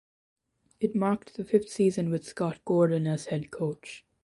It marked the fifth season with Scott Gordon as head coach.